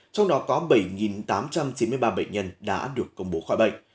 trong đó có bảy tám trăm chín mươi ba bệnh nhân đã được công bố khỏi bệnh